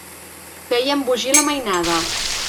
Feia embogir la mainada.